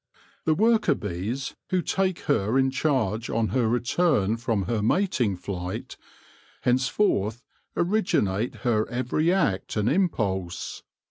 The worker bees, who take her in charge on her return from her mating flight, henceforth originate her every act and impulse.